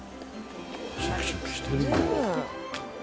シャキシャキしてるよ。